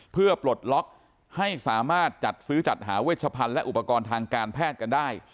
เพื่อปลดล็อกให้สามารถจัดซื้อจัดหาเวชพันธ์และอุปกรณ์ทางการแพทย์กันได้